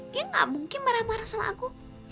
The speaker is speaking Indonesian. dia gak mungkin marah marah sama aku